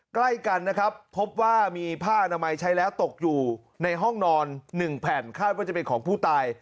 ใกล้กันนะครับพบว่ามีผ้าอนามัยใช้แล้วตกอยู่ในห้องนอน๑แผ่นคาดว่าจะเป็นของผู้ตาย